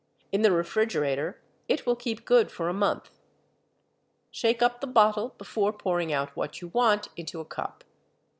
In the refrigerator it will keep good for a month. Shake up the bottle before pouring out what you want into a cup.